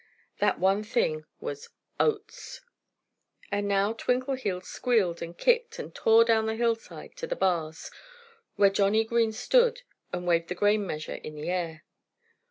That one thing was oats. And now Twinkleheels squealed and kicked and tore down the hillside to the bars, where Johnnie Green stood and waved the grain measure in the air.